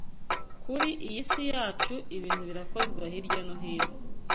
Kuri iyi si yacu ibintu birakozwa hirya no hino.